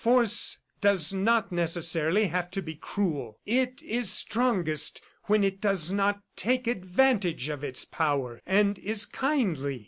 Force does not necessarily have to be cruel; it is strongest when it does not take advantage of its power, and is kindly.